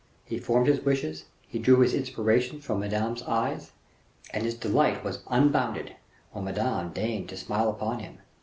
He formed his wishes, he drew his inspirations from Madame's eyes, and his delight was unbounded when Madame deigned to smile upon him.